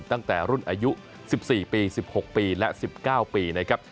ตั้งแต่รุ่นอายุ๑๔ปี๑๖ปีและ๑๙ปีนะครับ